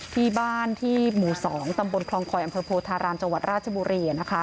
ที่บ้านที่หมู่๒ตำบลคลองคอยอำเภอโพธารามจังหวัดราชบุรี